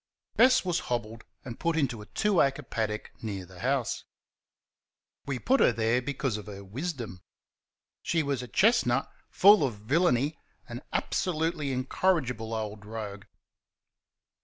Bess was hobbled and put into a two acre paddock near the house. We put her there because of her wisdom. She was a chestnut, full of villainy, an absolutely incorrigible old rogue.